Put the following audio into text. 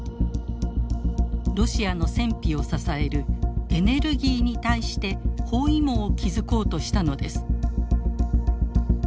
ロシアの戦費を支えるエネルギーに対して包囲網を築こうとしたのです。